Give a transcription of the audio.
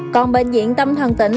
còn bệnh viện tâm thần tỉnh